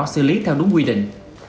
xử lý theo đúng quy định